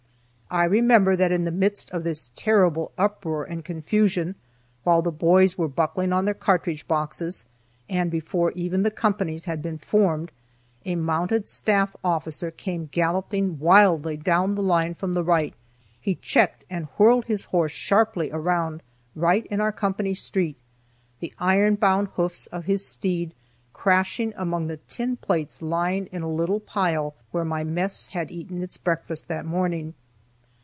I remember that in the midst of this terrible uproar and confusion, while the boys were buckling on their cartridge boxes, and before even the companies had been formed, a mounted staff officer came galloping wildly down the line from the right. He checked and whirled his horse sharply around right in our company street, the iron bound hoofs of his steed crashing among the tin plates lying in a little pile where my mess had eaten its breakfast that morning.